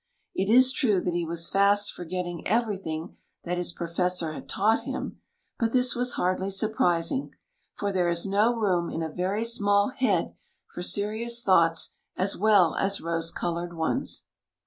It is true that he was fast forgetting everything that his Professor had taught him ; but this was hardly surpris ing, for there is no room in a very small head for serious thoughts as well as rose coloured ones.